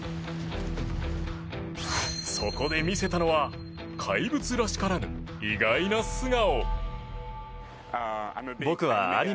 そこで見せたのは怪物らしからぬ意外な素顔。